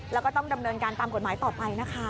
แล้วก็ต้องดำเนินการตามกฎหมายต่อไปนะคะ